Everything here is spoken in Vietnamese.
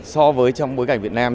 so với trong bối cảnh việt nam